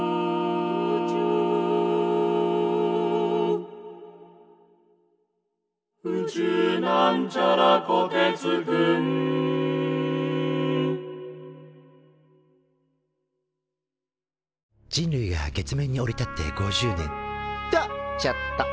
「宇宙」人類が月面に降り立って５０年！とちょっと。